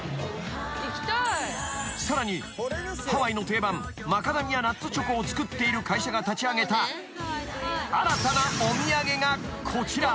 ［さらにハワイの定番マカダミアナッツチョコを作っている会社が立ち上げた新たなお土産がこちら］